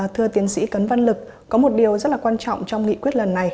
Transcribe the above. thưa tiến sĩ cấn văn lực có một điều rất là quan trọng trong nghị quyết lần này